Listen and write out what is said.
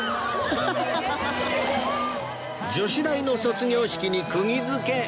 女子大の卒業式に釘付け！